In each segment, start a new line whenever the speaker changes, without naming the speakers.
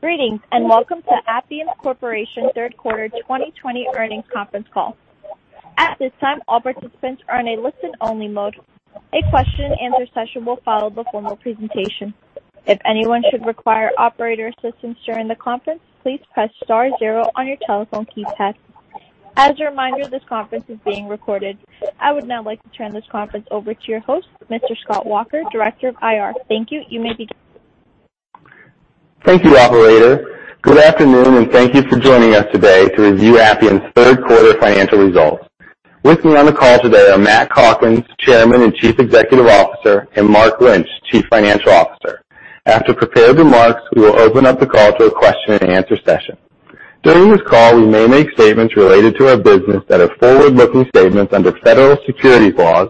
Greetings, and welcome to Appian Corporation third quarter 2020 earnings conference call. At this time, all participants are in a listen-only mode. A question and answer session will follow the formal presentation. If anyone should require operator assistance during the conference, please press star zero on your telephone keypad. As a reminder, this conference is being recorded. I would now like to turn this conference over to your host, Mr. Scott Walker, Director of IR. Thank you. You may begin.
Thank you, operator. Good afternoon, and thank you for joining us today to review Appian's third quarter financial results. With me on the call today are Matt Calkins, Chairman and Chief Executive Officer, and Mark Lynch, Chief Financial Officer. After prepared remarks, we will open up the call to a question and answer session. During this call, we may make statements related to our business that are forward-looking statements under federal securities laws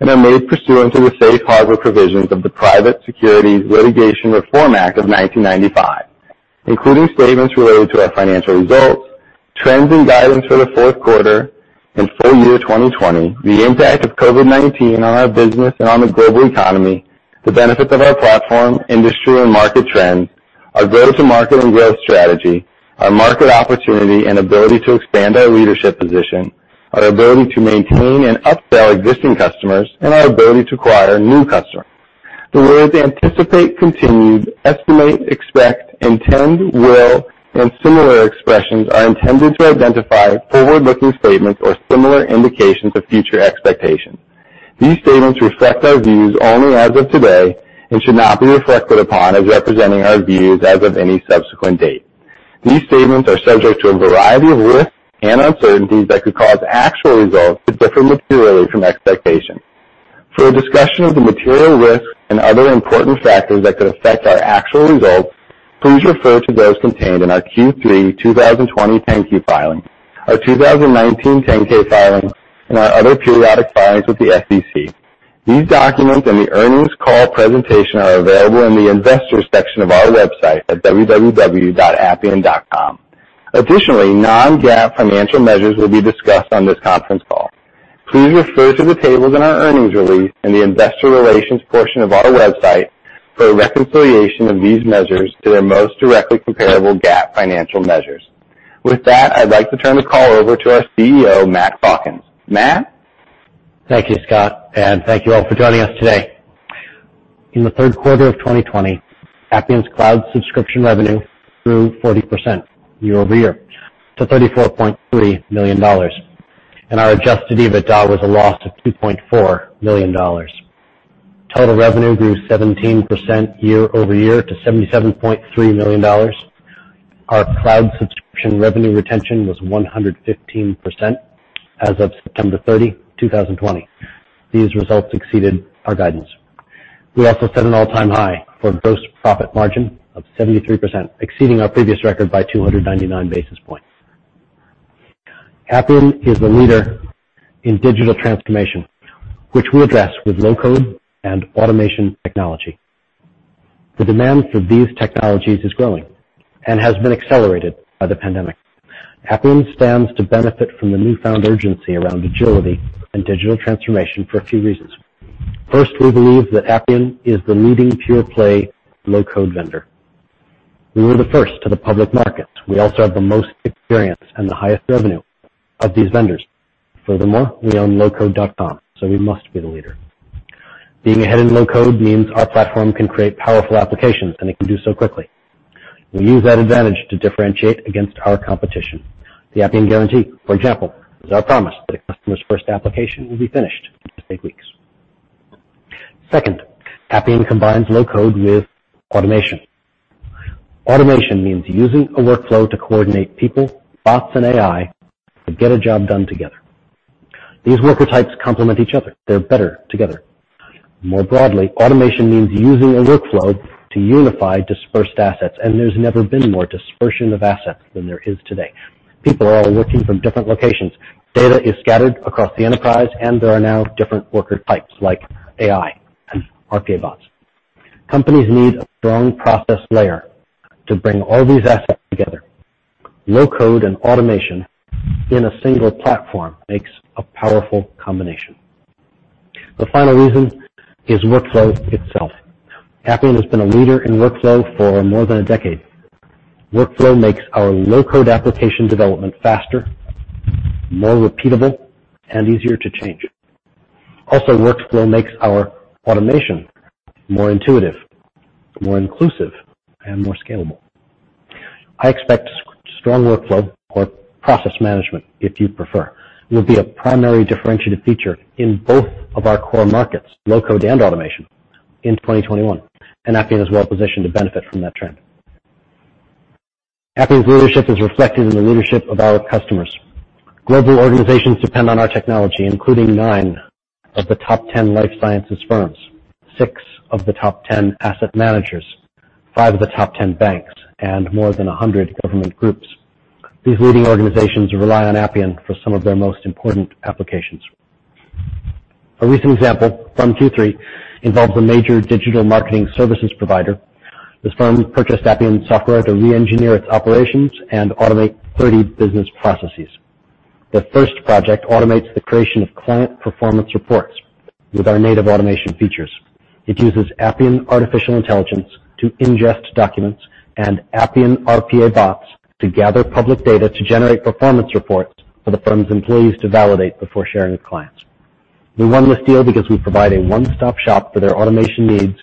and are made pursuant to the Safe Harbor provisions of the Private Securities Litigation Reform Act of 1995, including statements related to our financial results, trends, and guidance for the fourth quarter and full year 2020, the impact of COVID-19 on our business and on the global economy, the benefits of our platform, industry, and market trends, our go-to-market and growth strategy, our market opportunity, and ability to expand our leadership position, our ability to maintain and upsell existing customers, and our ability to acquire new customers. The words anticipate, continued, estimate, expect, intend, will, and similar expressions are intended to identify forward-looking statements or similar indications of future expectations. These statements reflect our views only as of today and should not be reflected upon as representing our views as of any subsequent date. These statements are subject to a variety of risks and uncertainties that could cause actual results to differ materially from expectations. For a discussion of the material risks and other important factors that could affect our actual results, please refer to those contained in our Q3 2020 10-Q filing, our 2019 10-K filing, and our other periodic filings with the SEC. These documents and the earnings call presentation are available in the Investors section of our website at www.appian.com. Additionally, non-GAAP financial measures will be discussed on this conference call. Please refer to the tables in our earnings release in the investor relations portion of our website for a reconciliation of these measures to their most directly comparable GAAP financial measures. With that, I'd like to turn the call over to our CEO, Matt Calkins. Matt?
Thank you, Scott, and thank you all for joining us today. In the third quarter of 2020, Appian's cloud subscription revenue grew 40% year-over-year to $34.3 million, and our adjusted EBITDA was a loss of $2.4 million. Total revenue grew 17% year-over-year to $77.3 million. Our cloud subscription revenue retention was 115% as of September 30, 2020. These results exceeded our guidance. We also set an all-time high for gross profit margin of 73%, exceeding our previous record by 299 basis points. Appian is the leader in digital transformation, which we address with low-code and automation technology. The demand for these technologies is growing and has been accelerated by the pandemic. Appian stands to benefit from the newfound urgency around agility and digital transformation for a few reasons. First, we believe that Appian is the leading pure-play low-code vendor. We were the first to the public market. We also have the most experience and the highest revenue of these vendors. Furthermore, we own lowcode.com, so we must be the leader. Being ahead in low-code means our platform can create powerful applications, and it can do so quickly. We use that advantage to differentiate against our competition. The Appian Guarantee, for example, is our promise that a customer's first application will be finished in just eight weeks. Second, Appian combines low-code with automation. Automation means using a workflow to coordinate people, bots, and AI to get a job done together. These worker types complement each other. They're better together. More broadly, automation means using a workflow to unify dispersed assets, and there's never been more dispersion of assets than there is today. People are all working from different locations. Data is scattered across the enterprise. There are now different worker types like AI and RPA bots. Companies need a strong process layer to bring all these assets together. Low-code and automation in a single platform makes a powerful combination. The final reason is workflow itself. Appian has been a leader in workflow for more than a decade. Workflow makes our low-code application development faster, more repeatable, and easier to change. Workflow makes our automation more intuitive, more inclusive, and more scalable. I expect strong workflow or process management, if you prefer, will be a primary differentiating feature in both of our core markets, low-code and automation, in 2021. Appian is well positioned to benefit from that trend. Appian's leadership is reflected in the leadership of our customers. Global organizations depend on our technology, including nine of the top 10 life sciences firms, six of the top 10 asset managers, five of the top 10 banks, and more than 100 government groups. These leading organizations rely on Appian for some of their most important applications. A recent example, from Q3, involves a major digital marketing services provider. This firm purchased Appian software to re-engineer its operations and automate 30 business processes. The first project automates the creation of client performance reports with our native automation features. It uses Appian AI to ingest documents and Appian RPA bots to gather public data to generate performance reports for the firm's employees to validate before sharing with clients. We won this deal because we provide a one-stop shop for their automation needs,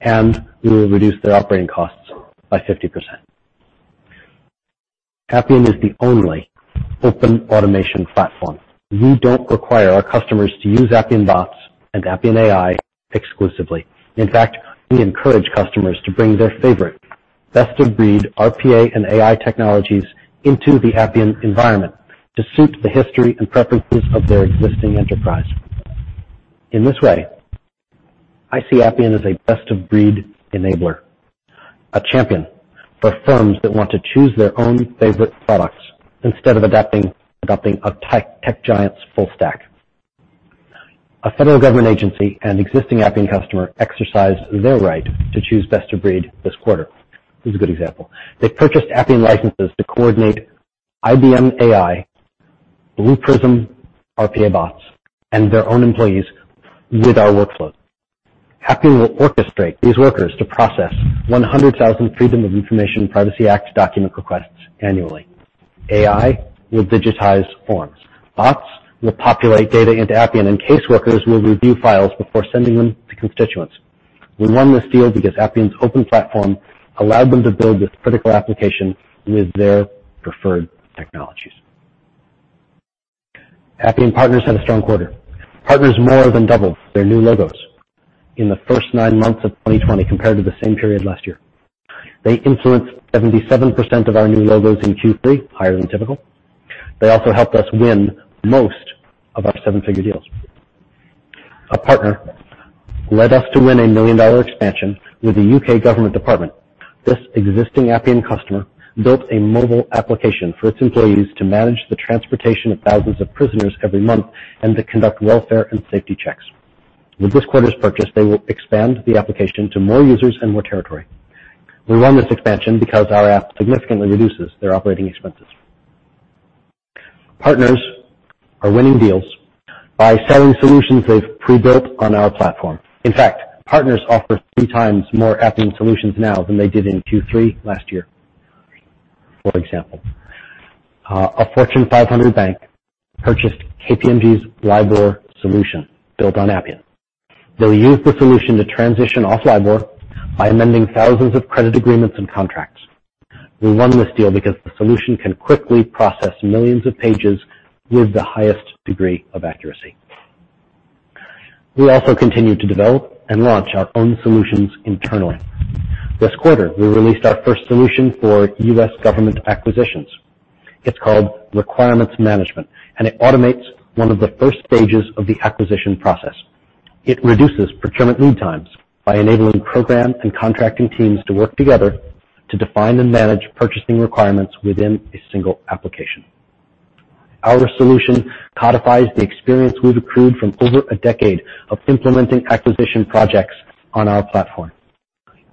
and we will reduce their operating costs by 50%. Appian is the only open automation platform. We don't require our customers to use Appian bots and Appian AI exclusively. In fact, we encourage customers to bring their favorite best-of-breed RPA and AI technologies into the Appian environment to suit the history and preferences of their existing enterprise. In this way, I see Appian as a best-of-breed enabler, a champion for firms that want to choose their own favorite products instead of adopting a tech giant's full stack. A federal government agency and existing Appian customer exercised their right to choose best of breed this quarter. Here's a good example. They purchased Appian licenses to coordinate IBM AI, Blue Prism RPA bots, and their own employees with our workflows. Appian will orchestrate these workers to process 100,000 Freedom of Information Privacy Act document requests annually. AI will digitize forms. Bots will populate data into Appian, and caseworkers will review files before sending them to constituents. We won this deal because Appian's open platform allowed them to build this critical application with their preferred technologies. Appian partners had a strong quarter. Partners more than doubled their new logos in the first nine months of 2020 compared to the same period last year. They influenced 77% of our new logos in Q3, higher than typical. They also helped us win most of our seven-figure deals. A partner led us to win a million-dollar expansion with the U.K. government department. This existing Appian customer built a mobile application for its employees to manage the transportation of thousands of prisoners every month and to conduct welfare and safety checks. With this quarter's purchase, they will expand the application to more users and more territory. We won this expansion because our app significantly reduces their operating expenses. Partners are winning deals by selling solutions they've pre-built on our platform. In fact, partners offer three times more Appian solutions now than they did in Q3 last year. For example, a Fortune 500 bank purchased KPMG's LIBOR solution built on Appian. They'll use the solution to transition off LIBOR by amending thousands of credit agreements and contracts. We won this deal because the solution can quickly process millions of pages with the highest degree of accuracy. We also continued to develop and launch our own solutions internally. This quarter, we released our first solution for U.S. government acquisitions. It's called Requirements Management, and it automates one of the first stages of the acquisition process. It reduces procurement lead times by enabling program and contracting teams to work together to define and manage purchasing requirements within a single application. Our solution codifies the experience we've accrued from over a decade of implementing acquisition projects on our platform.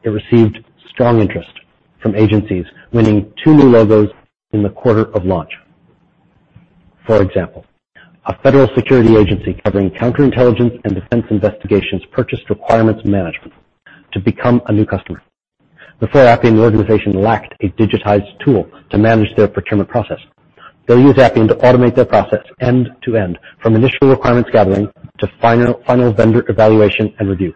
It received strong interest from agencies, winning two new logos in the quarter of launch. For example, a federal security agency covering counterintelligence and defense investigations purchased Requirements Management to become a new customer. Before Appian, the organization lacked a digitized tool to manage their procurement process. They'll use Appian to automate their process end to end, from initial requirements gathering to final vendor evaluation and review.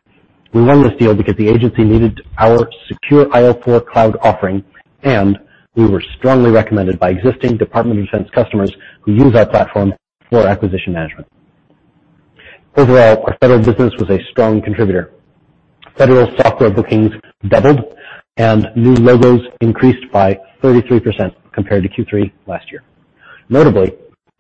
We won this deal because the agency needed our secure IL4 cloud offering, and we were strongly recommended by existing Department of Defense customers who use our platform for acquisition management. Overall, our federal business was a strong contributor. Federal software bookings doubled, and new logos increased by 33% compared to Q3 last year. Notably,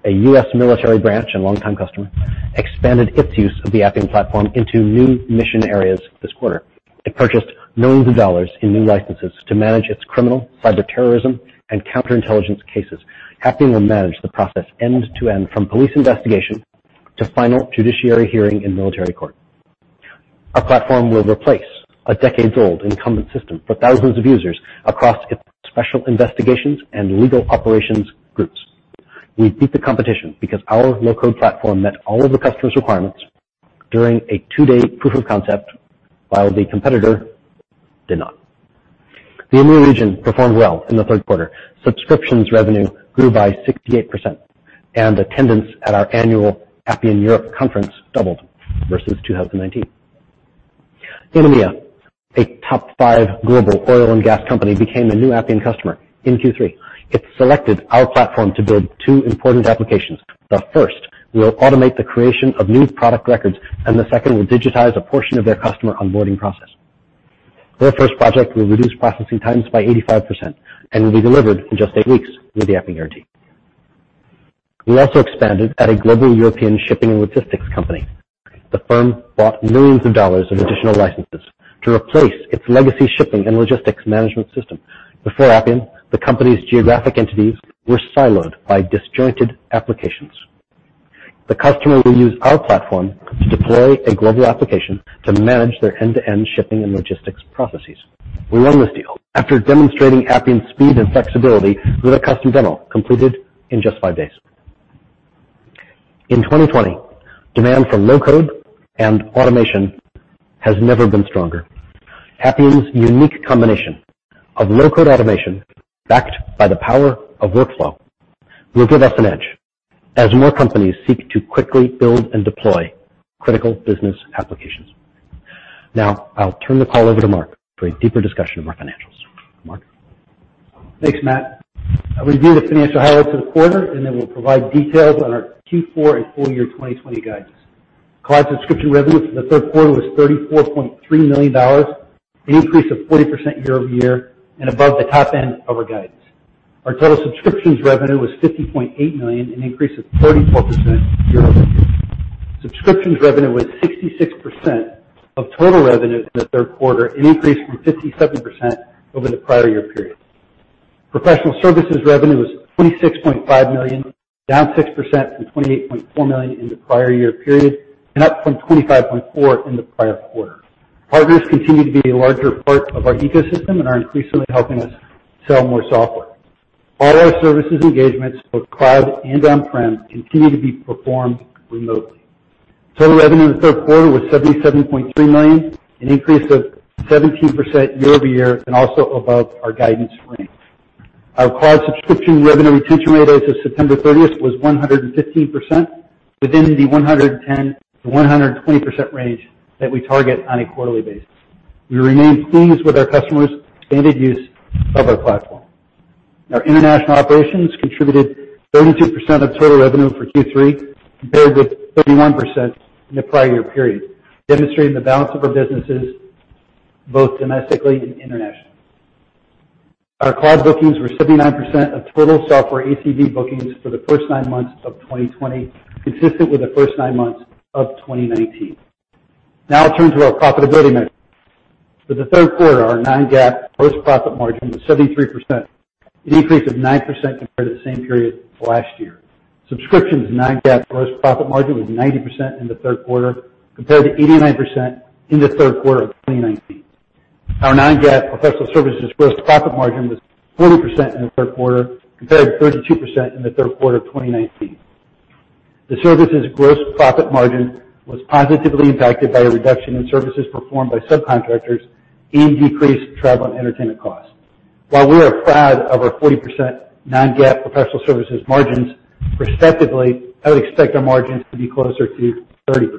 a U.S. military branch and longtime customer expanded its use of the Appian platform into new mission areas this quarter. It purchased millions of dollars in new licenses to manage its criminal, cyberterrorism, and counterintelligence cases. Appian will manage the process end to end, from police investigation to final judiciary hearing in military court. Our platform will replace a decades-old incumbent system for thousands of users across its special investigations and legal operations groups. We beat the competition because our low-code platform met all of the customer's requirements during a two-day proof of concept, while the competitor did not. The EMEA region performed well in the third quarter. Subscriptions revenue grew by 68%, and attendance at our annual Appian Europe conference doubled versus 2019. In EMEA, a top five global oil and gas company became a new Appian customer in Q3. It selected our platform to build two important applications. The first will automate the creation of new product records, and the second will digitize a portion of their customer onboarding process. Their first project will reduce processing times by 85% and will be delivered in just eight weeks with the Appian Guarantee. We also expanded at a global European shipping and logistics company. The firm bought millions of dollars of additional licenses to replace its legacy shipping and logistics management system. Before Appian, the company's geographic entities were siloed by disjointed applications. The customer will use our platform to deploy a global application to manage their end-to-end shipping and logistics processes. We won this deal after demonstrating Appian's speed and flexibility with a custom demo completed in just five days. In 2020, demand for low-code and automation has never been stronger. Appian's unique combination of low-code automation, backed by the power of workflow, will give us an edge as more companies seek to quickly build and deploy critical business applications. Now, I'll turn the call over to Mark for a deeper discussion of our financials. Mark?
Thanks, Matt. I'll review the financial highlights of the quarter, and then we'll provide details on our Q4 and full year 2020 guidance. Cloud subscription revenue for the third quarter was $34.3 million, an increase of 40% year-over-year and above the top end of our guidance. Our total subscriptions revenue was $50.8 million, an increase of 34% year-over-year. Subscriptions revenue was 66% of total revenue in the third quarter, an increase from 57% over the prior year period. Professional Services revenue was $26.5 million, down 6% from $28.4 million in the prior year period, and up from $25.4 in the prior quarter. Partners continue to be a larger part of our ecosystem and are increasingly helping us sell more software. All our services engagements, both cloud and on-prem, continue to be performed remotely. Total revenue in the third quarter was $77.3 million, an increase of 17% year-over-year, also above our guidance range. Our cloud subscription revenue retention rate as of September 30th was 115%, within the 110%-120% range that we target on a quarterly basis. We remain pleased with our customers' expanded use of our platform. Our international operations contributed 32% of total revenue for Q3, compared with 31% in the prior year period, demonstrating the balance of our businesses both domestically and internationally. Our cloud bookings were 79% of total software ACV bookings for the first nine months of 2020, consistent with the first nine months of 2019. I'll turn to our profitability measures. For the third quarter, our non-GAAP gross profit margin was 73%, an increase of 9% compared to the same period of last year. Subscriptions non-GAAP gross profit margin was 90% in the third quarter, compared to 89% in the third quarter of 2019. Our non-GAAP professional services gross profit margin was 40% in the third quarter, compared to 32% in the third quarter of 2019. The services gross profit margin was positively impacted by a reduction in services performed by subcontractors and decreased travel and entertainment costs. While we are proud of our 40% non-GAAP professional services margins, respectively, I would expect our margins to be closer to 30%.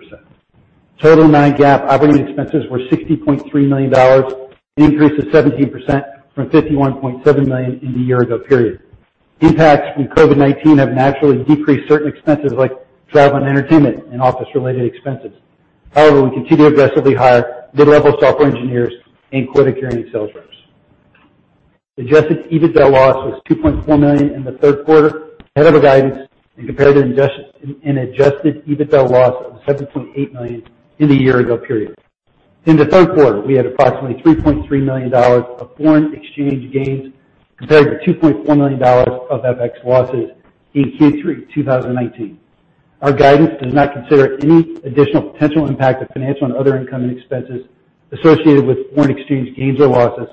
Total non-GAAP operating expenses were $60.3 million, an increase of 17% from $51.7 million in the year-ago period. Impacts from COVID-19 have naturally decreased certain expenses like travel and entertainment and office-related expenses. However, we continue to aggressively hire mid-level software engineers and quota-carrying sales reps. Adjusted EBITDA loss was $2.4 million in the third quarter, ahead of our guidance and compared to an adjusted EBITDA loss of $17.8 million in the year-ago period. In the third quarter, we had approximately $3.3 million of foreign exchange gains, compared to $2.4 million of FX losses in Q3 2019. Our guidance does not consider any additional potential impact of financial and other income and expenses associated with foreign exchange gains or losses,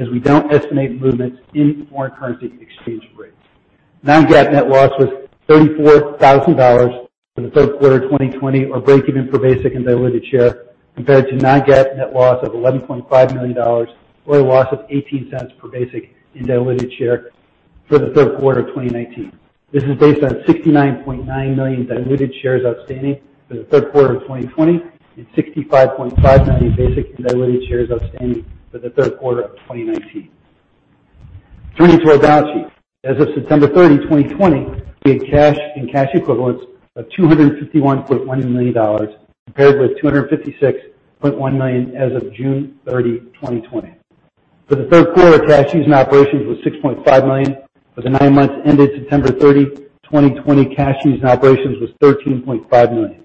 as we don't estimate movements in foreign currency exchange rates. Non-GAAP net loss was $34,000 for the third quarter 2020, or breakeven per basic and diluted share, compared to non-GAAP net loss of $11.5 million, or a loss of $0.18 per basic and diluted share for the third quarter 2019. This is based on 69.9 million diluted shares outstanding for the third quarter of 2020 and 65.5 million basic and diluted shares outstanding for the third quarter of 2019. Turning to our balance sheet. As of September 30, 2020, we had cash and cash equivalents of $251.1 million, compared with $256.1 million as of June 30, 2020. For the third quarter, cash used in operations was $6.5 million. For the nine months ended September 30, 2020, cash used in operations was $13.5 million.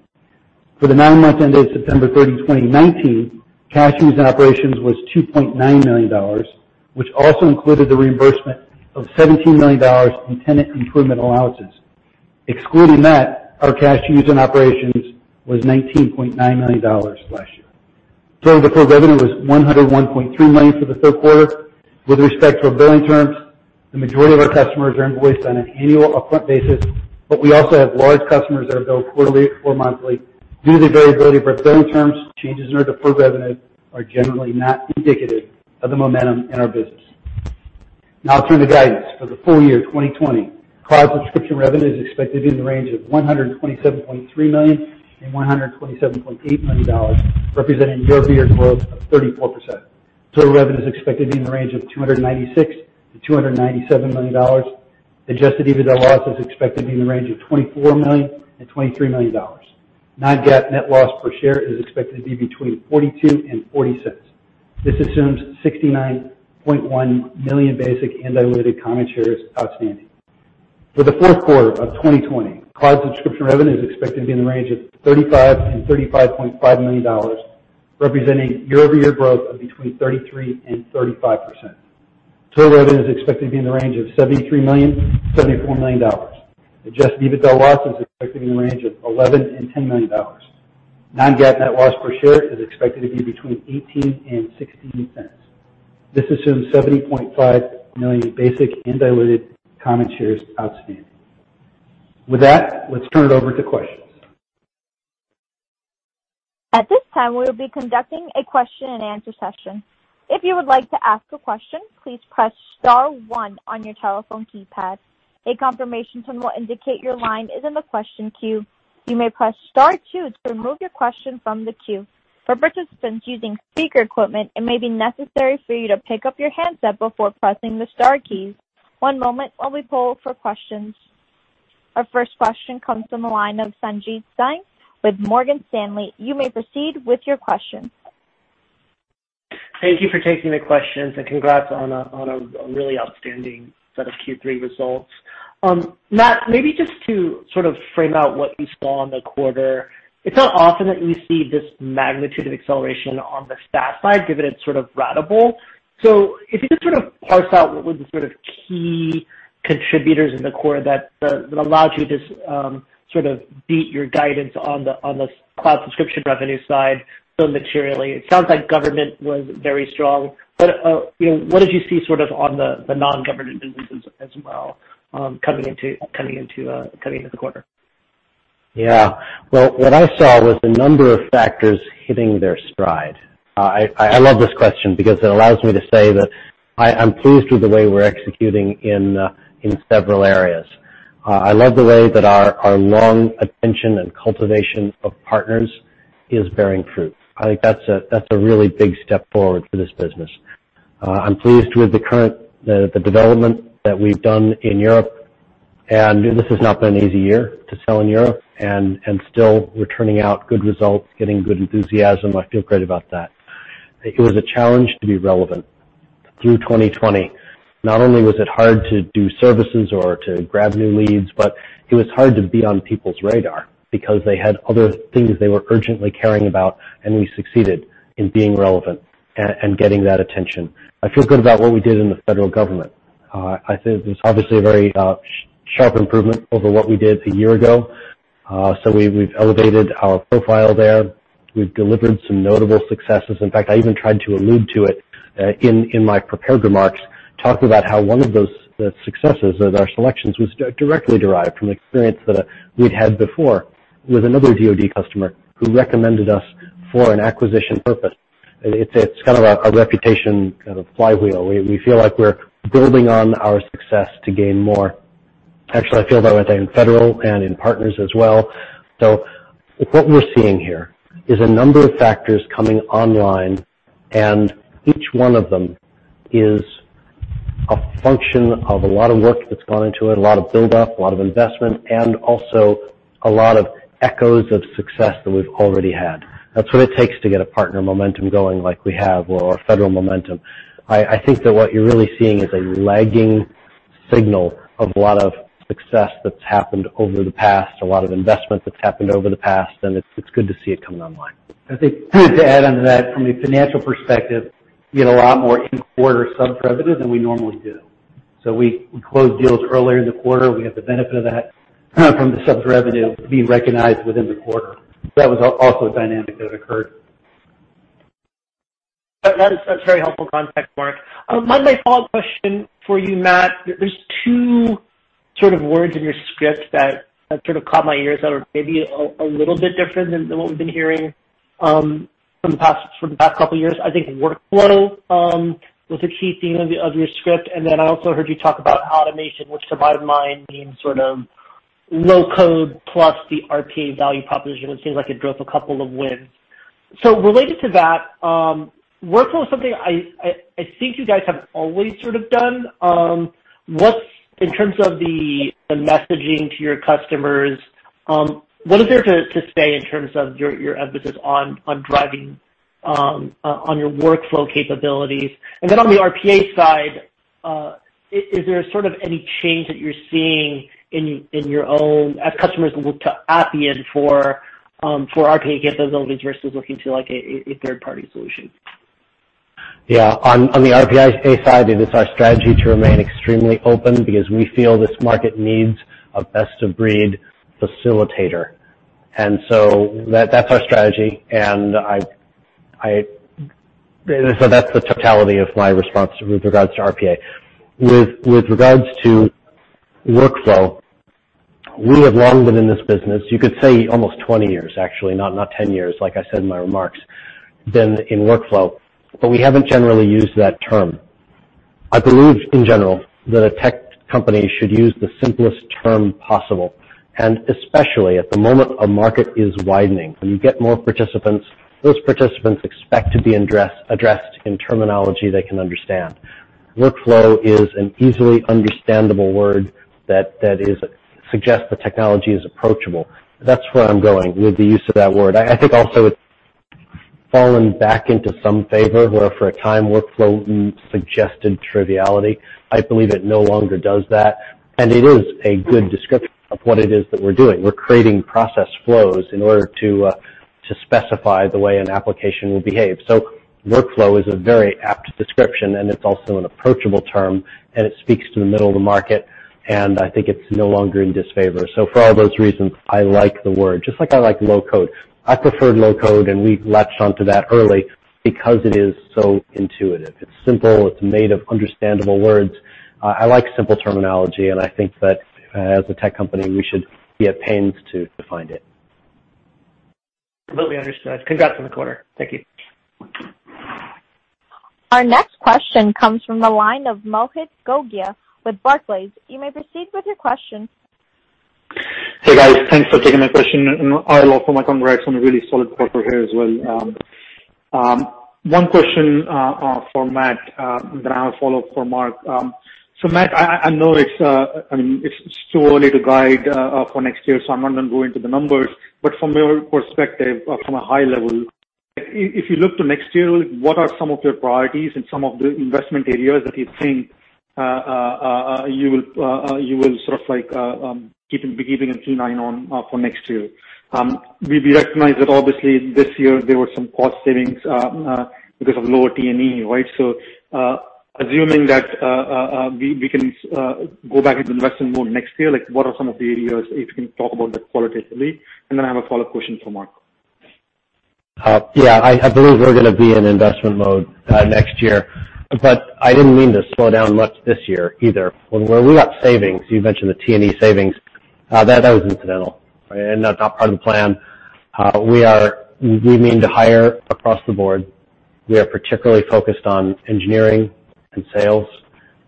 For the nine months ended September 30, 2019, cash used in operations was $2.9 million, which also included the reimbursement of $17 million in tenant improvement allowances. Excluding that, our cash used in operations was $19.9 million last year. Total deferred revenue was $101.3 million for the third quarter. With respect to our billing terms, the majority of our customers are invoiced on an annual upfront basis, but we also have large customers that are billed quarterly or monthly. Due to the variability of our billing terms, changes in our deferred revenue are generally not indicative of the momentum in our business. Now turning to guidance. For the full year 2020, cloud subscription revenue is expected to be in the range of $127.3 million and $127.8 million, representing year-over-year growth of 34%. Total revenue is expected to be in the range of $296 million-$297 million. Adjusted EBITDA loss is expected to be in the range of $24 million and $23 million. Non-GAAP net loss per share is expected to be between $0.42 and $0.40. This assumes 69.1 million basic and diluted common shares outstanding. For the fourth quarter of 2020, cloud subscription revenue is expected to be in the range of $35 million-$35.5 million, representing year-over-year growth of between 33% and 35%. Total revenue is expected to be in the range of $73 million-$74 million. Adjusted EBITDA loss is expected to be in the range of $10 million-$11 million. Non-GAAP net loss per share is expected to be between $0.18 and $0.16. This assumes 70.5 million basic and diluted common shares outstanding. With that, let's turn it over to questions.
Our first question comes from the line of Sanjit Singh with Morgan Stanley. You may proceed with your question.
Thank you for taking the questions. Congrats on a really outstanding set of Q3 results. Matt, maybe just to sort of frame out what we saw in the quarter, it's not often that we see this magnitude of acceleration on the SaaS side, given it's sort of ratable. If you could sort of parse out what were the sort of key contributors in the quarter that allowed you to sort of beat your guidance on the cloud subscription revenue side so materially. It sounds like government was very strong. What did you see sort of on the non-government businesses as well, coming into the quarter?
Yeah. Well, what I saw was a number of factors hitting their stride. I love this question because it allows me to say that I'm pleased with the way we're executing in several areas. I love the way that our long attention and cultivation of partners is bearing fruit. I think that's a really big step forward for this business. I'm pleased with the development that we've done in Europe, and this has not been an easy year to sell in Europe, and still we're turning out good results, getting good enthusiasm. I feel great about that. It was a challenge to be relevant through 2020. Not only was it hard to do services or to grab new leads, but it was hard to be on people's radar because they had other things they were urgently caring about, and we succeeded in being relevant and getting that attention. I feel good about what we did in the federal government. I think there's obviously a very sharp improvement over what we did a year ago. We've elevated our profile there. We've delivered some notable successes. In fact, I even tried to allude to it in my prepared remarks, talked about how one of those successes of our selections was directly derived from experience that we'd had before with another DoD customer who recommended us for an acquisition purpose. It's kind of a reputation kind of flywheel. We feel like we're building on our success to gain more. Actually, I feel that way in federal and in partners as well. What we're seeing here is a number of factors coming online, and each one of them is a function of a lot of work that's gone into it, a lot of build-up, a lot of investment, and also a lot of echoes of success that we've already had. That's what it takes to get a partner momentum going like we have, or federal momentum. I think that what you're really seeing is a lagging signal of a lot of success that's happened over the past, a lot of investment that's happened over the past, and it's good to see it coming online.
I think to add on to that, from a financial perspective, we get a lot more in-quarter subs revenue than we normally do. We close deals earlier in the quarter. We get the benefit of that from the subs revenue being recognized within the quarter. That was also a dynamic that occurred.
That is very helpful context, Mark. My follow-up question for you, Matt, there's two sort of words in your script that sort of caught my ears that are maybe a little bit different than what we've been hearing from the past couple of years. I think workflow was a key theme of your script, and then I also heard you talk about automation, which to my mind means sort of low-code plus the RPA value proposition. It seems like it drove a couple of wins. Related to that, workflow is something I think you guys have always sort of done. In terms of the messaging to your customers, what is there to say in terms of your emphasis on driving on your workflow capabilities? Then on the RPA side, is there sort of any change that you're seeing in your own as customers look to Appian for RPA to get those elements versus looking to a third-party solution?
Yeah. On the RPA side, it is our strategy to remain extremely open because we feel this market needs a best-of-breed facilitator, and so that's our strategy, and so that's the totality of my response with regards to RPA. With regards to workflow, we have long been in this business, you could say almost 20 years, actually, not 10 years, like I said in my remarks, been in workflow, but we haven't generally used that term. I believe, in general, that a tech company should use the simplest term possible, and especially at the moment our market is widening. When you get more participants, those participants expect to be addressed in terminology they can understand. Workflow is an easily understandable word that suggests the technology is approachable. That's where I'm going with the use of that word. I think also it's fallen back into some favor, where for a time, workflow suggested triviality. I believe it no longer does that, and it is a good description of what it is that we're doing. We're creating process flows to specify the way an application will behave. Workflow is a very apt description, and it's also an approachable term, and it speaks to the middle of the market, and I think it's no longer in disfavor. For all those reasons, I like the word, just like I like low-code. I preferred low-code, and we latched onto that early because it is so intuitive. It's simple, it's made of understandable words. I like simple terminology, and I think that as a tech company, we should be at pains to define it.
Completely understood. Congrats on the quarter. Thank you.
Our next question comes from the line of Mohit Gogia with Barclays. You may proceed with your question.
Hey, guys. Thanks for taking my question. I will offer my congrats on a really solid quarter here as well. One question for Matt, then I have a follow-up for Mark. Matt, I know it's too early to guide for next year, so I'm not going to go into the numbers, but from your perspective, from a high level, if you look to next year, what are some of your priorities and some of the investment areas that you think you will be keeping an keen eye on for next year? We recognize that obviously this year there were some cost savings because of lower T&E, right? Assuming that we can go back into investment mode next year, what are some of the areas, if you can talk about that qualitatively? I have a follow-up question for Mark.
Yeah. I believe we're going to be in investment mode next year, but I didn't mean to slow down much this year either. Where we got savings, you mentioned the T&E savings, that was incidental. Not part of the plan. We mean to hire across the board. We are particularly focused on engineering and sales,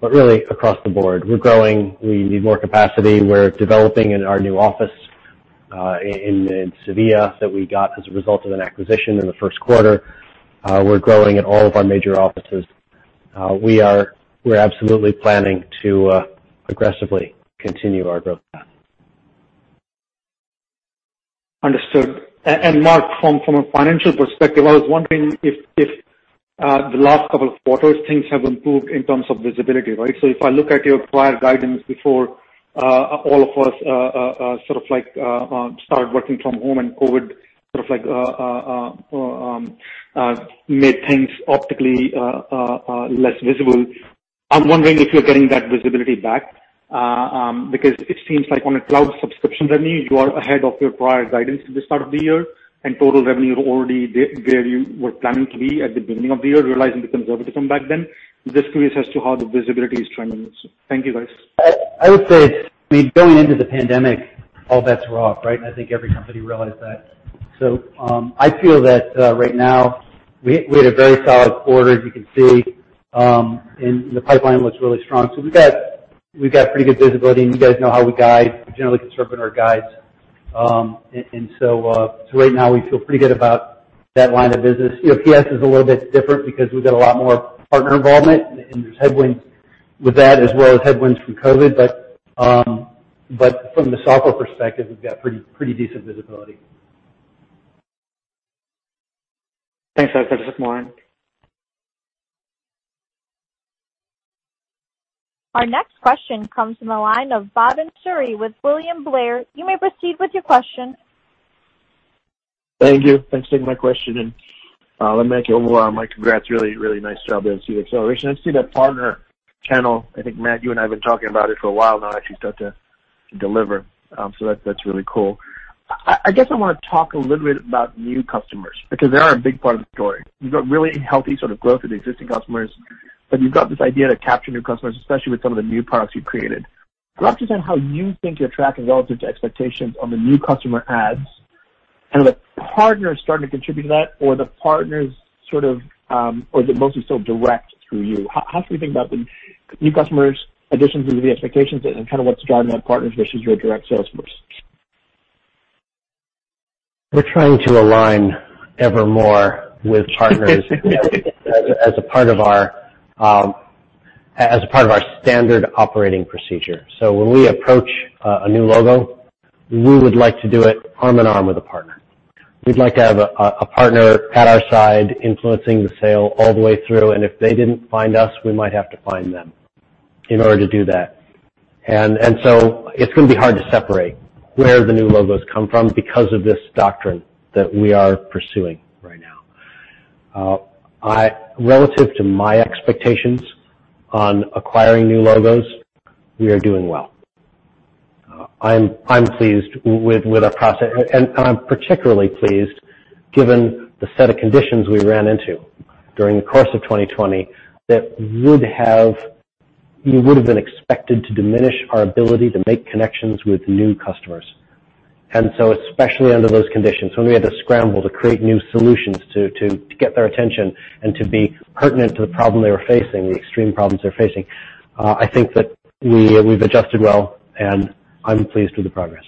but really across the board. We're growing, we need more capacity. We're developing in our new office in Seville that we got as a result of an acquisition in the first quarter. We're growing at all of our major offices. We're absolutely planning to aggressively continue our growth path.
Understood. Mark, from a financial perspective, I was wondering if the last couple of quarters things have improved in terms of visibility, right? If I look at your prior guidance before all of us started working from home and COVID made things optically less visible, I'm wondering if you're getting that visibility back. It seems like on a cloud subscription revenue, you are ahead of your prior guidance at the start of the year, and total revenue already where you were planning to be at the beginning of the year, realizing the conservative come back then. Just curious as to how the visibility is trending. Thank you, guys.
I would say, going into the pandemic, all bets are off, right? I think every company realized that. I feel that right now we had a very solid quarter, as you can see, and the pipeline looks really strong. We've got pretty good visibility, and you guys know how we guide. We're generally conservative in our guides. Right now we feel pretty good about that line of business. PS is a little bit different because we've got a lot more partner involvement, and there's headwinds with that as well as headwinds from COVID. From the software perspective, we've got pretty decent visibility.
Thanks for that. This is Mohit.
Our next question comes from the line of Bhavan Suri with William Blair. You may proceed with your question.
Thank you. Thanks for taking my question. Let me make it overall, my congrats, really, really nice job there to see the acceleration. I see that partner channel, I think, Matt, you and I have been talking about it for a while now actually start to deliver. That's really cool. I guess I want to talk a little bit about new customers, because they are a big part of the story. You've got really healthy sort of growth with existing customers, but you've got this idea to capture new customers, especially with some of the new products you've created. I'd love to understand how you think you're tracking relative to expectations on the new customer adds, are the partners starting to contribute to that, or is it mostly still direct through you? How should we think about the new customers additions with the expectations and kind of what's driving that partners versus your direct sales force?
We're trying to align evermore with partners as a part of our standard operating procedure. When we approach a new logo, we would like to do it arm in arm with a partner. We'd like to have a partner at our side influencing the sale all the way through, and if they didn't find us, we might have to find them in order to do that. It's going to be hard to separate where the new logos come from because of this doctrine that we are pursuing right now. Relative to my expectations on acquiring new logos, we are doing well. I'm pleased with our process, and I'm particularly pleased given the set of conditions we ran into during the course of 2020 that would have been expected to diminish our ability to make connections with new customers. Especially under those conditions, when we had to scramble to create new solutions to get their attention and to be pertinent to the problem they were facing, the extreme problems they were facing, I think that we've adjusted well, and I'm pleased with the progress.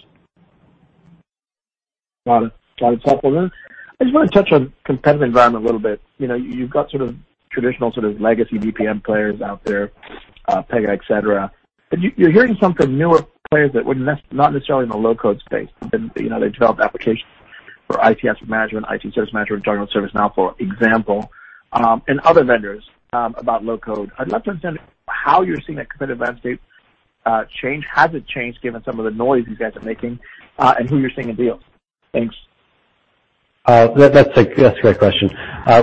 Got it. Got it. Follow on that, I just want to touch on competitive environment a little bit. You've got sort of traditional sort of legacy BPM players out there, Pega, et cetera. You're hearing from kind of newer players that were not necessarily in the low-code space. They developed applications for IT service management, talking about ServiceNow, for example, and other vendors about low-code. I'd love to understand how you're seeing that competitive landscape change, hasn't changed given some of the noise you guys are making, and who you're seeing in deals? Thanks.
That's a great question.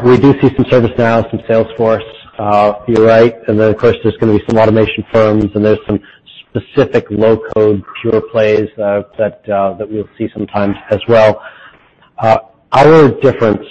We do see some ServiceNow, some Salesforce. You're right. Of course, there's going to be some automation firms and there's some specific low-code pure plays that we'll see sometimes as well. Our difference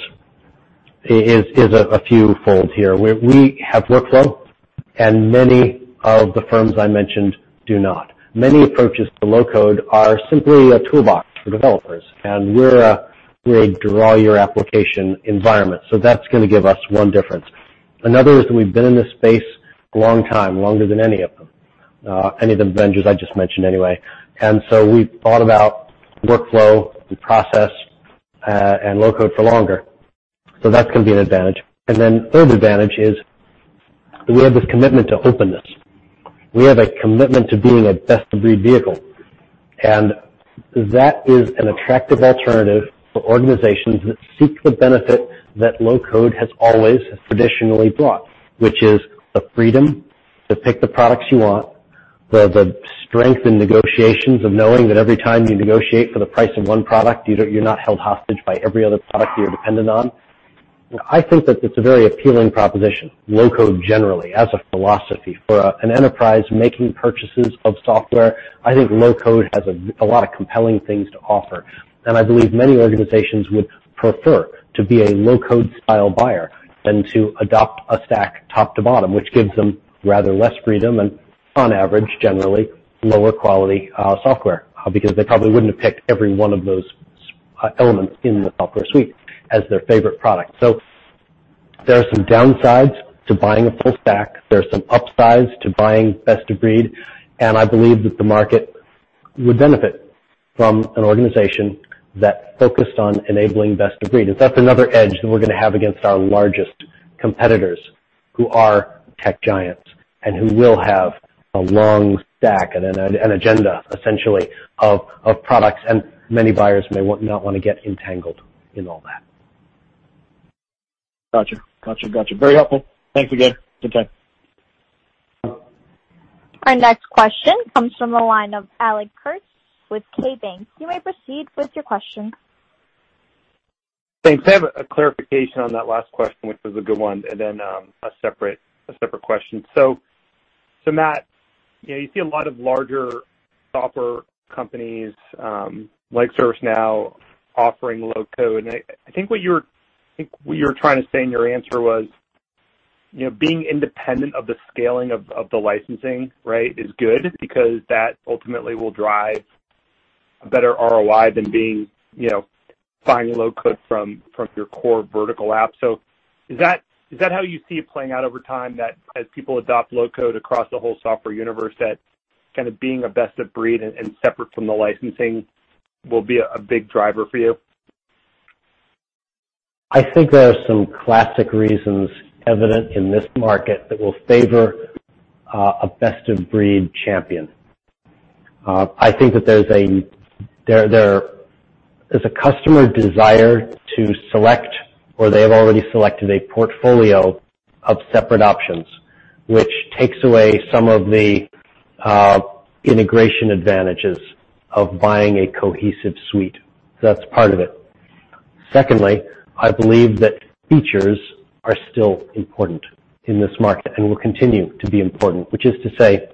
is a few fold here. We have workflow and many of the firms I mentioned do not. Many approaches to low-code are simply a toolbox for developers, and we're a draw your application environment. That's going to give us one difference. Another is we've been in this space a long time, longer than any of them, any of the vendors I just mentioned anyway. We've thought about workflow and process, and low-code for longer. That's going to be an advantage. Third advantage is we have this commitment to openness. We have a commitment to being a best-of-breed vehicle. That is an attractive alternative for organizations that seek the benefit that low-code has always traditionally brought, which is the freedom to pick the products you want, the strength in negotiations of knowing that every time you negotiate for the price of one product, you're not held hostage by every other product you're dependent on. I think that it's a very appealing proposition, low-code generally, as a philosophy for an enterprise making purchases of software. I think low-code has a lot of compelling things to offer, and I believe many organizations would prefer to be a low-code style buyer than to adopt a stack top to bottom, which gives them rather less freedom and on average, generally, lower quality software, because they probably wouldn't have picked every one of those elements in the software suite as their favorite product. There are some downsides to buying a full stack. There are some upsides to buying best of breed. I believe that the market would benefit from an organization that focused on enabling best of breed. That's another edge that we're going to have against our largest competitors who are tech giants and who will have a long stack and an agenda, essentially, of products. Many buyers may not want to get entangled in all that.
Got you. Very helpful. Thanks again. Good day.
Our next question comes from the line of Alex Kurtz with KeyBanc. You may proceed with your question.
Thanks. I have a clarification on that last question, which was a good one, and then a separate question. Matt, you see a lot of larger software companies, like ServiceNow offering low-code, and I think what you were trying to say in your answer was being independent of the scaling of the licensing, right, is good because that ultimately will drive a better ROI than buying low-code from your core vertical app. Is that how you see it playing out over time? That as people adopt low-code across the whole software universe, that kind of being a best of breed and separate from the licensing will be a big driver for you?
I think there are some classic reasons evident in this market that will favor a best of breed champion. I think that there is a customer desire to select, or they have already selected a portfolio of separate options, which takes away some of the integration advantages of buying a cohesive suite. That's part of it. Secondly, I believe that features are still important in this market and will continue to be important. Which is to say,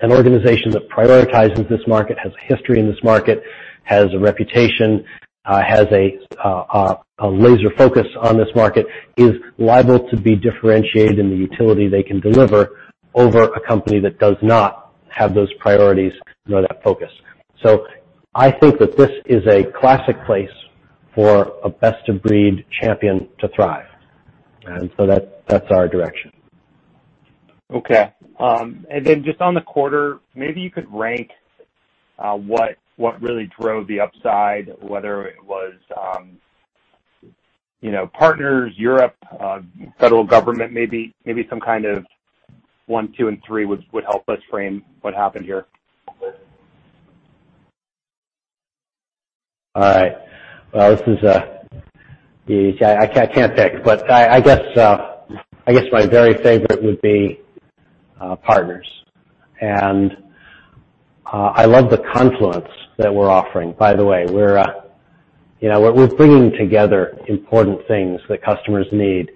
an organization that prioritizes this market, has a history in this market, has a reputation, has a laser focus on this market, is liable to be differentiated in the utility they can deliver over a company that does not have those priorities nor that focus. I think that this is a classic place for a best of breed champion to thrive. That's our direction.
Okay. Just on the quarter, maybe you could rank what really drove the upside, whether it was partners, Europe, federal government, maybe some kind of one, two, and three would help us frame what happened here.
All right. Well, this is a I can't pick, but I guess my very favorite would be partners. I love the confluence that we're offering. By the way, we're bringing together important things that customers need.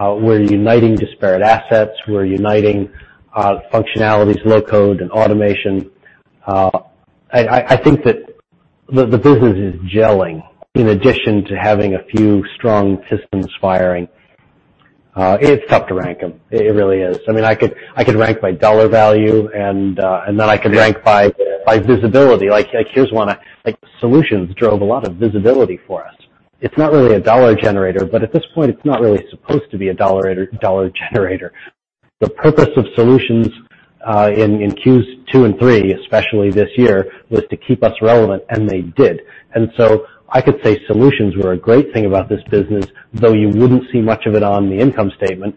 We're uniting disparate assets. We're uniting functionalities, low-code and automation. I think that the business is gelling in addition to having a few strong systems firing. It's tough to rank them. It really is. I could rank by dollar value, and then I could rank by visibility. Like, here's one. Solutions drove a lot of visibility for us. It's not really a dollar generator, but at this point, it's not really supposed to be a dollar generator. The purpose of solutions in Q2 and three, especially this year, was to keep us relevant, and they did. I could say solutions were a great thing about this business, though you wouldn't see much of it on the income statement.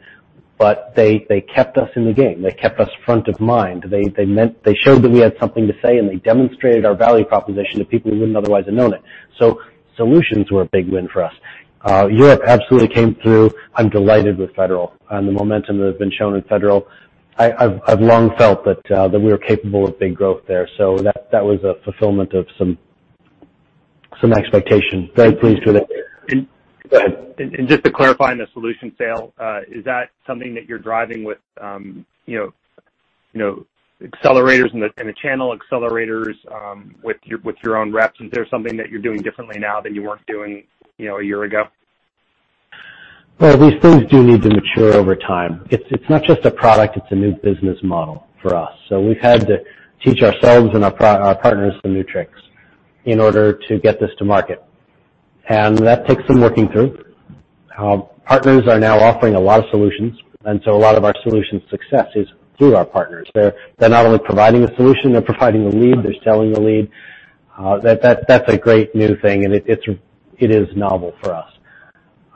They kept us in the game. They kept us front of mind. They showed that we had something to say, and they demonstrated our value proposition to people who wouldn't otherwise have known it. Solutions were a big win for us. Europe absolutely came through. I'm delighted with Federal and the momentum that has been shown in Federal. I've long felt that we were capable of big growth there. That was a fulfillment of some expectation. Very pleased with it.
And-
Go ahead.
Just to clarify on the solution sale, is that something that you're driving with accelerators and the channel accelerators, with your own reps? Is there something that you're doing differently now than you weren't doing a year ago?
Well, these things do need to mature over time. It's not just a product, it's a new business model for us. We've had to teach ourselves and our partners some new tricks in order to get this to market. That takes some working through. Partners are now offering a lot of solutions. A lot of our solutions success is through our partners. They're not only providing the solution, they're providing the lead, they're selling the lead. That's a great new thing, and it is novel for us.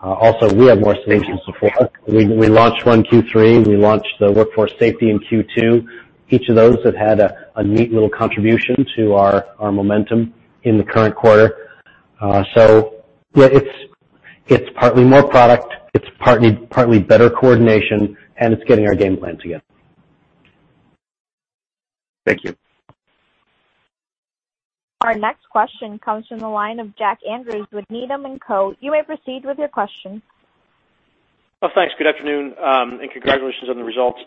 Also, we have more solutions to support. We launched one Q3. We launched the Workforce Safety in Q2. Each of those have had a neat little contribution to our momentum in the current quarter. It's partly more product, it's partly better coordination, and it's getting our game plan together.
Thank you.
Our next question comes from the line of Jack Andrews with Needham & Co. You may proceed with your question.
Well, thanks. Good afternoon, and congratulations on the results.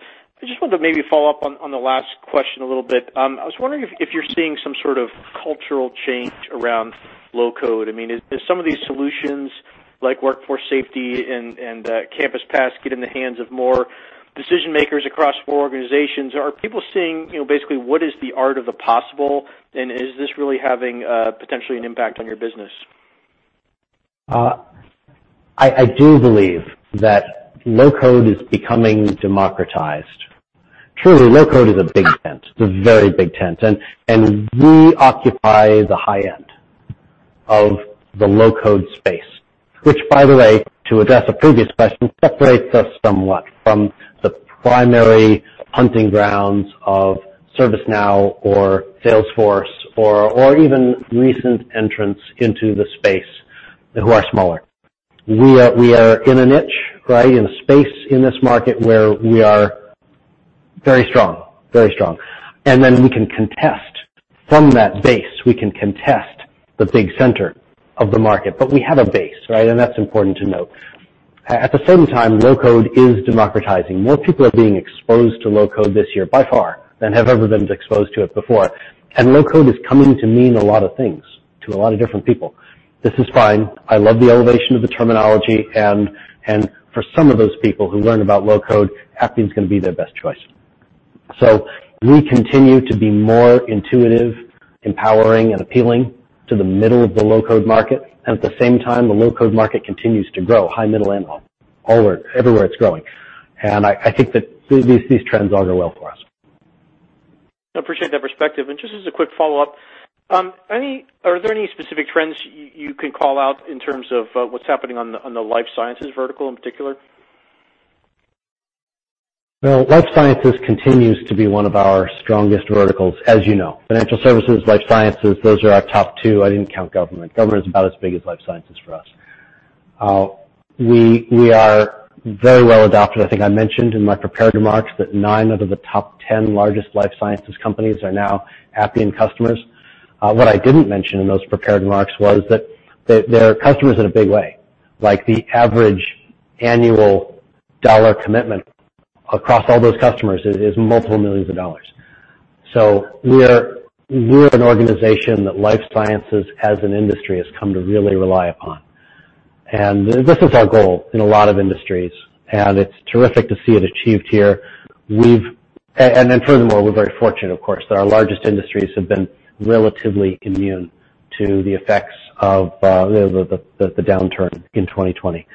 I just wanted to maybe follow up on the last question a little bit. I was wondering if you're seeing some sort of cultural change around low-code. As some of these solutions like Workforce Safety and CampusPass get in the hands of more decision-makers across four organizations, are people seeing, basically what is the art of the possible? Is this really having potentially an impact on your business?
I do believe that low-code is becoming democratized. Truly, low-code is a big tent. It's a very big tent. We occupy the high end of the low-code space, which, by the way, to address a previous question, separates us somewhat from the primary hunting grounds of ServiceNow or Salesforce or even recent entrants into the space who are smaller. We are in a niche, in a space in this market where we are very strong. Then we can contest from that base. We can contest the big center of the market. We have a base, and that's important to note. At the same time, low-code is democratizing. More people are being exposed to low-code this year, by far, than have ever been exposed to it before. Low-code is coming to mean a lot of things to a lot of different people. This is fine. I love the elevation of the terminology. For some of those people who learn about low-code, Appian's going to be their best choice. We continue to be more intuitive, empowering, and appealing to the middle of the low-code market. At the same time, the low-code market continues to grow, high, middle, and low. Everywhere, it's growing. I think that these trends all go well for us.
I appreciate that perspective. Just as a quick follow-up, are there any specific trends you can call out in terms of what's happening on the life sciences vertical in particular?
Well, life sciences continues to be one of our strongest verticals, as you know. Financial services, life sciences, those are our top two. I didn't count government. Government is about as big as life sciences for us. We are very well adopted. I think I mentioned in my prepared remarks that nine out of the top 10 largest life sciences companies are now Appian customers. What I didn't mention in those prepared remarks was that they are customers in a big way. The average annual dollar commitment across all those customers is $multiple millions. We're an organization that life sciences, as an industry, has come to really rely upon. This is our goal in a lot of industries, and it's terrific to see it achieved here. Furthermore, we're very fortunate, of course, that our largest industries have been relatively immune to the effects of the downturn in 2020.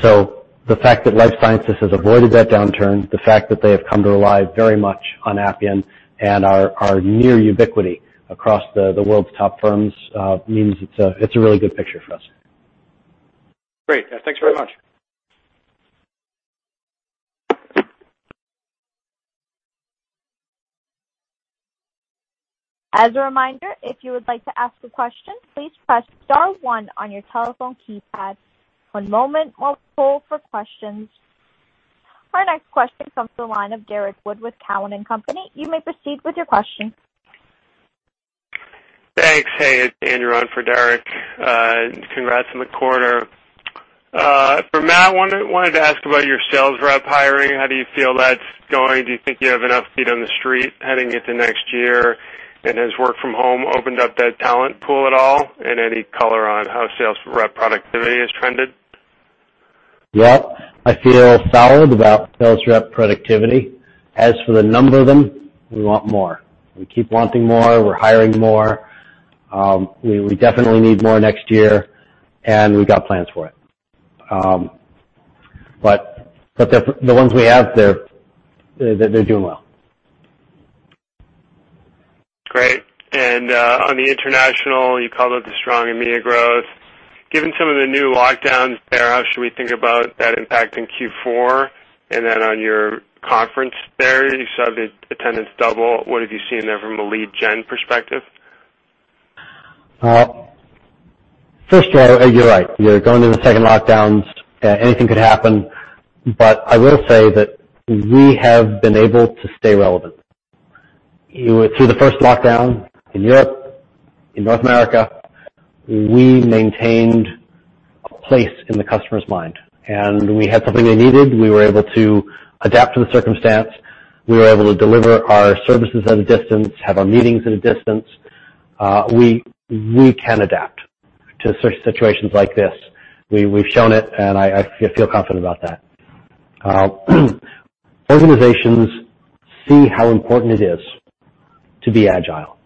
The fact that life sciences has avoided that downturn, the fact that they have come to rely very much on Appian, and our near ubiquity across the world's top firms, means it's a really good picture for us.
Great. Thanks very much.
Our next question comes from the line of Derrick Wood with Cowen and Company. You may proceed with your question.
Thanks. Hey, it's Andrew on for Derrick. Congrats on the quarter. For Matt, wanted to ask about your sales rep hiring. How do you feel that's going? Do you think you have enough feet on the street heading into next year? Has work from home opened up that talent pool at all? Any color on how sales rep productivity has trended?
Yeah, I feel solid about sales rep productivity. As for the number of them, we want more. We keep wanting more. We're hiring more. We definitely need more next year, and we got plans for it. The ones we have, they're doing well.
Great. On the international, you called out the strong EMEA growth. Given some of the new lockdowns there, how should we think about that impact in Q4? On your conference there, you saw the attendance double. What have you seen there from a lead gen perspective?
First, you're right. You're going into the second lockdowns. Anything could happen. I will say that we have been able to stay relevant. Through the first lockdown in Europe, in North America, we maintained a place in the customer's mind, and we had something they needed. We were able to adapt to the circumstance. We were able to deliver our services at a distance, have our meetings at a distance. We can adapt to such situations like this. We've shown it, and I feel confident about that. Organizations see how important it is to be agile.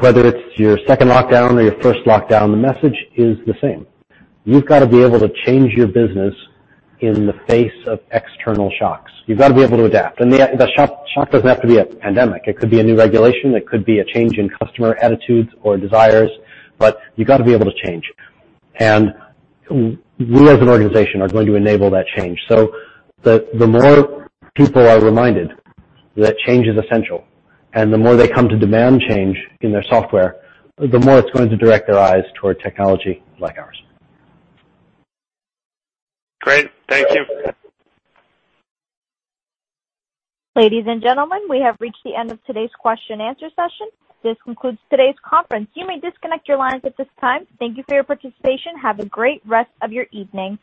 Whether it's your second lockdown or your first lockdown, the message is the same. You've got to be able to change your business in the face of external shocks. You've got to be able to adapt. The shock doesn't have to be a pandemic. It could be a new regulation. It could be a change in customer attitudes or desires. You got to be able to change. We, as an organization, are going to enable that change. The more people are reminded that change is essential and the more they come to demand change in their software, the more it's going to direct their eyes toward technology like ours.
Great. Thank you.
Ladies and gentlemen, we have reached the end of today's question and answer session. This concludes today's conference. You may disconnect your lines at this time. Thank you for your participation. Have a great rest of your evening.